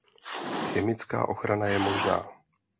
Chemická ochrana je možná.